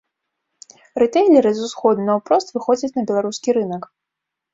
Рытэйлеры з усходу наўпрост выходзяць на беларускі рынак.